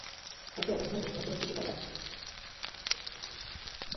একই অবস্থা মানিকনগর টিটি পাড়া, যাত্রাবাড়ী, দয়াগঞ্জ, শাহবাগ, তেজগাঁও প্রভৃতি এলাকার সড়কে।